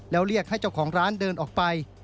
แล้วเรียกให้เจ้าของร้านเดินออกไป